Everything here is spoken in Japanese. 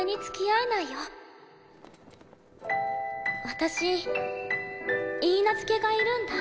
私許嫁がいるんだ。